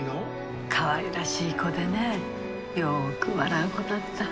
かわいらしい子でねよく笑う子だった。